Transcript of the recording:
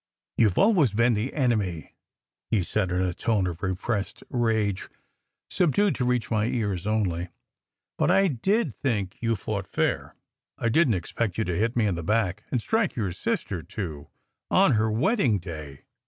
"You ve always been the enemy," he said in a tone of repressed rage, subdued to reach my ears only, "but I did think you fought fair. I didn t expect you to hit me in the back and strike your sister, too, on her wedding day.